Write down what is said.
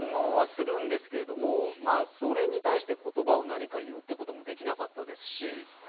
それに対して言葉を何か言うって事もできなかったですし。